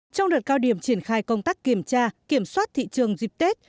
trong đợt cao điểm triển khai công tác kiểm tra kiểm soát thị trường dịp tết